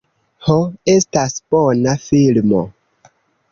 Ho, estas bona filmo.